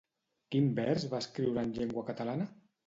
Quin vers va escriure en llengua catalana?